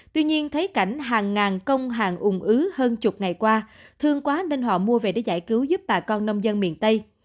tuy nhiên thấy cảnh hàng ngàn công hàng ủng ứ hơn chục ngày qua thương quá nên họ mua về để giải cứu giúp bà con nông dân miền tây